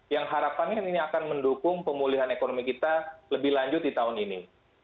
yang harapannya ini akan mendukung pemulihan ekonomi kita lebih lanjut di tahun ini